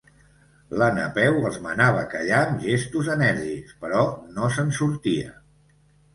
La Napeu els manava callar amb gestos enèrgics, però no se'n sortia.